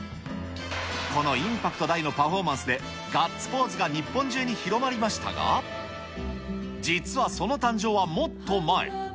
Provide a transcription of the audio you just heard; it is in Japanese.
このインパクト大のパフォーマンスでガッツポーズが日本中に広まりましたが、実はその誕生はもっと前。